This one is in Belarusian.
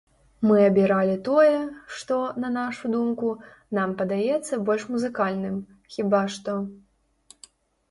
Мы абіралі тое, што, на нашу думку, нам падаецца больш музыкальным, хіба што.